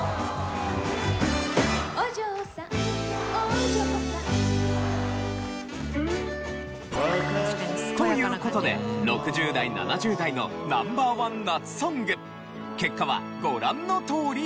「お嬢さんお嬢さん」という事で６０代７０代のＮｏ．１夏ソング結果はご覧のとおりでした。